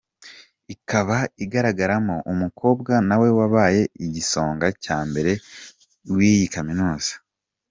Ikaba igaragaramo umukobwa nawe wabaye Igisonga cya mbere w’iyi Kaminuza.